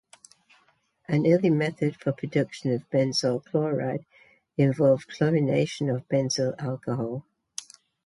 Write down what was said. An early method for production of benzoyl chloride involved chlorination of benzyl alcohol.